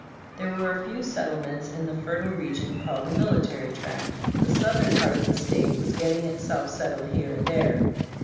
There were a few settlements in the fertile region called the Military Tract; the southern part of the State was getting itself settled here and there.